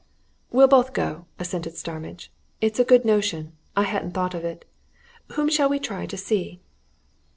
"We'll both go!" assented Starmidge. "It's a good notion I hadn't thought of it. Whom shall we try to see?"